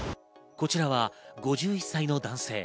こちらは、５１歳の男性。